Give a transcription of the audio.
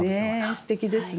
すてきですね。